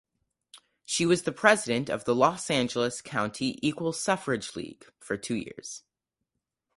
She was president of the Los Angeles County Equal Suffrage League for two years.